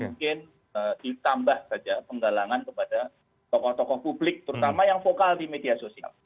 mungkin ditambah saja penggalangan kepada tokoh tokoh publik terutama yang vokal di media sosial